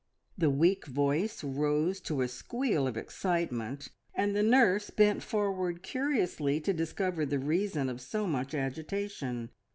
The weak voice rose to a squeal of excitement, and the nurse bent forward curiously to discover the reason of so much agitation.